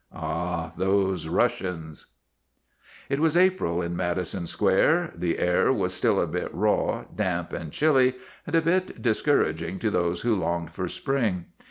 Ah, those Russians ! It was April in Madison Square. The air was still a bit raw, damp, and chilly, and a bit discourag ing to those who longed for spring.